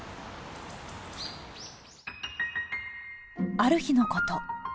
ある日のこと。